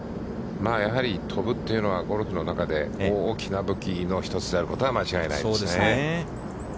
やはり飛ぶというのは、ゴルフの中で大きな武器の１つであることは間違いないですね。